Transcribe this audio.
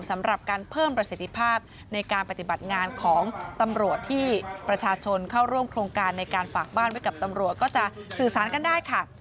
สำหรับการเพิ่มประสิทธิภาพในการปฏิบัติงานของตำรวจที่ประชาชนเข้าร่วมโครงการในการฝากบ้านไว้กับตำรวจก็จะสื่อสารกันได้ค่ะ